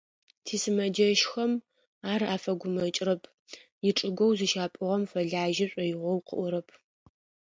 Тисымэджэщхэм ар афэгумэкӏрэп, ичӏыгоу зыщапӏугъэм фэлажьэ шӏоигъоу къыӏорэп.